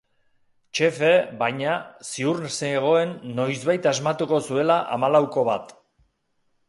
Txefe, baina, ziur zegoen noizbait asmatuko zuela hamalauko bat.